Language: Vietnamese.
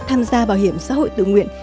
tham gia bảo hiểm xã hội tự nguyện